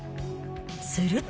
すると。